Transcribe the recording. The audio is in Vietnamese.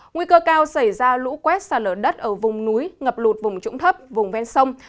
nguy cơ cao xảy ra lũ quét xa lở đất ở vùng núi ngập lụt vùng trũng thấp vùng ven sông